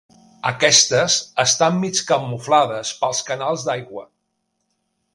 Aquestes estan mig camuflades pels canals d'aigua.